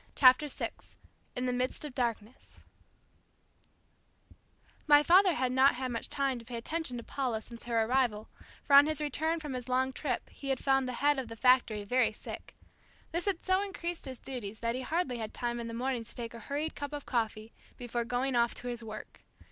CHAPTER SIX IN THE MIDST OF DARKNESS My father had not had much time to pay attention to Paula since her arrival; for on his return from his long trip he had found the head of the factory very sick. This had so increased his duties that he hardly had time in the morning to take a hurried cup of coffee, before going off to his work.